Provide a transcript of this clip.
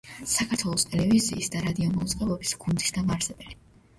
საქართველოს ტელევიზიის და რადიომაუწყებლობის გუნდის დამაარსებელი.